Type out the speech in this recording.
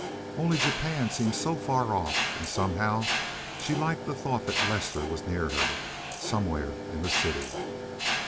Only Japan seemed so far off, and somehow she had liked the thought that Lester was near her—somewhere in the city.